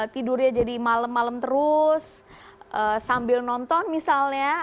tidurnya jadi malam malam terus sambil nonton misalnya